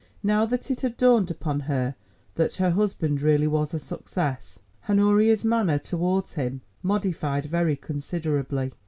Now that it had dawned upon her that her husband really was a success, Honoria's manner towards him modified very considerably.